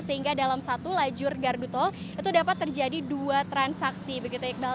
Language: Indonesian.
sehingga dalam satu lajur gardu tol itu dapat terjadi dua transaksi begitu iqbal